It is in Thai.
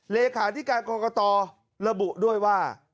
เลขาธิการกรกตระบุด้วยว่า